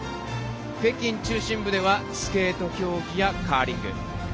北京中心部ではスケート競技やカーリング。